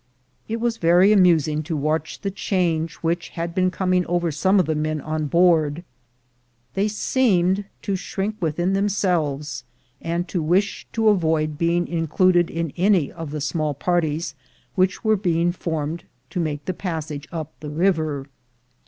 It was very amusing to watch the change which had been coming over some of the men on board. They seemed to shrink within themselves, and to wish to avoid being included in any of the small parties which were being formed to make the passage up the river.